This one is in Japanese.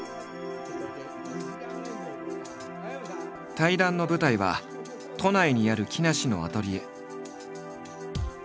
対談の舞台は都内にある木梨のアトリエ。